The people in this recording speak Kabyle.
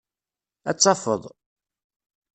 Ad tafeḍ.